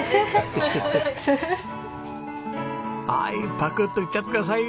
パクッといっちゃってください！